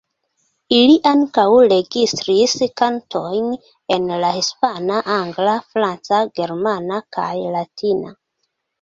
Ili ankaŭ registris kantojn en la hispana, angla, franca, germana kaj latina.